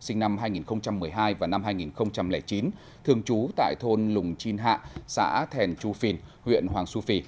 sinh năm hai nghìn một mươi hai và năm hai nghìn chín thường trú tại thôn lùng chin hạ xã thèn chu phin huyện hoàng su phi